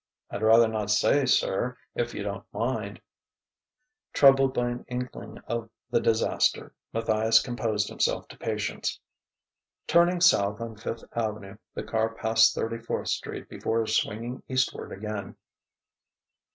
"I'd rather not say, sir, if you don't mind." Troubled by an inkling of the disaster, Matthias composed himself to patience. Turning south on Fifth Avenue, the car passed Thirty fourth Street before swinging eastward again.